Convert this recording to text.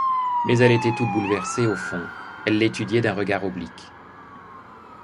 Mais elle était toute bouleversée au fond, elle l'étudiait d'un regard oblique.